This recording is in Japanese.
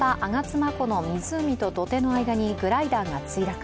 ま湖の湖と土手の間にグライダーが墜落。